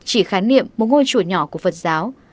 chỉ khái niệm một ngôi chùa nhỏ của phật giáo